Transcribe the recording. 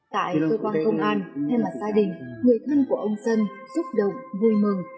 tại cơ quan công an thay mặt gia đình người thân của ông dân xúc động vui mừng